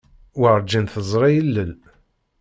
Werǧin teẓri ilel.